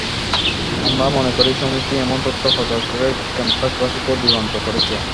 আমরা মনে করি, সমিতি এমন তথ্য প্রচার করে ক্যাম্পাসবাসীকে বিভ্রান্ত করেছে।